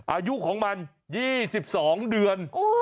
อายุของมัน๒๒เดือน